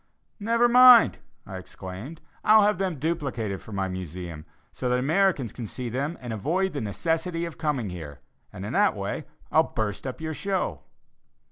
"Never mind," I exclaimed; "I'll have them duplicated for my Museum, so that Americans can see them and avoid the necessity of coming here, and in that way I'll burst up your show."